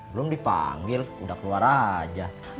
gak usah dipanggil juga laras udah liat ya dari dalam kecilnya itu ya